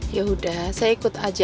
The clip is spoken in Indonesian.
yaudah saya ikut aja